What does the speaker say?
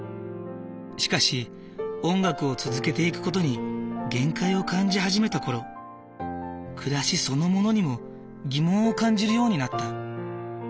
しかし音楽を続けていく事に限界を感じ始めた頃暮らしそのものにも疑問を感じるようになった。